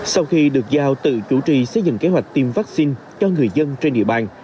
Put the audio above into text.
sau khi được giao tự chủ trì xây dựng kế hoạch tiêm vaccine cho người dân trên địa bàn